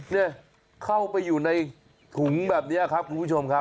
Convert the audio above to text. เนี่ยเข้าไปอยู่ในถุงแบบนี้ครับคุณผู้ชมครับ